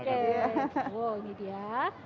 oh ini dia